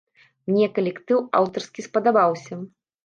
Мне калектыў аўтарскі спадабаўся.